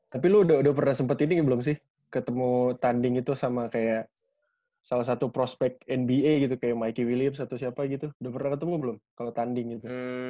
tapi lo udah pernah sempat ini belum sih ketemu tanding itu sama kayak salah satu prospek nba gitu kayak mike willips atau siapa gitu udah pernah ketemu belum kalau tanding gitu